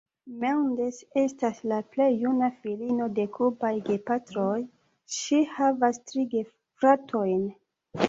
Mendes estas la plej juna filino de kubaj gepatroj, ŝi havas tri gefratojn.